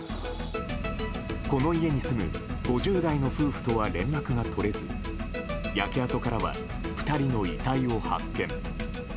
この家に住む５０代の夫婦とは連絡が取れず焼け跡からは２人の遺体を発見。